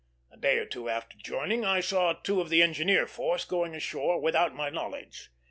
A day or two after joining, I saw two of the engineer force going ashore without my knowledge.